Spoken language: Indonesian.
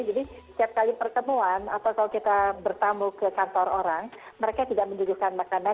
jadi setiap kali pertemuan atau kalau kita bertamu ke kantor orang mereka tidak menyujukan makanan